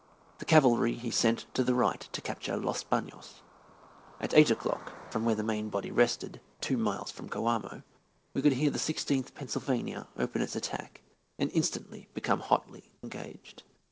The cavalry he sent to the right to capture Los Banos. At eight o'clock, from where the main body rested, two miles from Coamo, we could hear the Sixteenth Pennsylvania open its attack and instantly become hotly engaged.